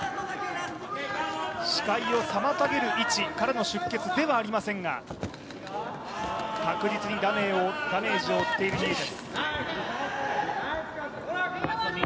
視界を妨げる位置からの出血ではありませんが確実にダメージを負っているニエテス。